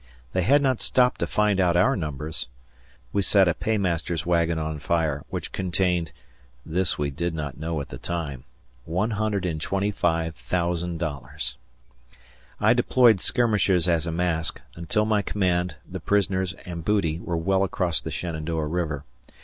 They had not stopped to find out our numbers. We set a paymaster's wagon on fire, which contained this we did not know at the time $125,000. I deployed skirmishers as a mask, until my command, the prisoners, and booty were well across the Shenandoah River.